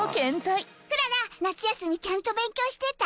クララ夏休みちゃんと勉強してた？